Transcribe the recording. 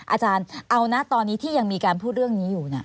อาจารย์เอานะตอนนี้ที่ยังมีการพูดเรื่องนี้อยู่